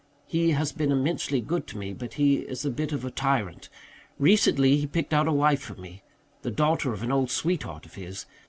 He has been immensely good to me, but he is a bit of a tyrant. Recently he picked out a wife for me the daughter of an old sweetheart of his.